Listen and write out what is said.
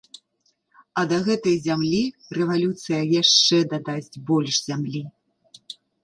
А да гэтай зямлі рэвалюцыя яшчэ дадасць больш зямлі.